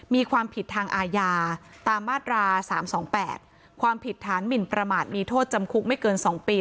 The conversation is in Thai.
มีความผิดทางอาญาตามมาตรา๓๒๘ความผิดฐานหมินประมาทมีโทษจำคุกไม่เกิน๒ปี